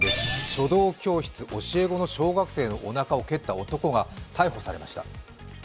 書道教室の教え子の小学生のおなかを蹴った男が逮捕されました。